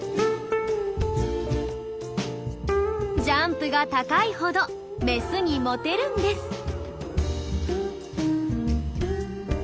ジャンプが高いほどメスにモテるんです。